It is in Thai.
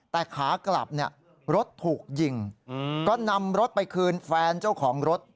แต่ขากลับเนี่ยรถถูกยิงก็นำรถไปคืนแฟนเจ้าของรถ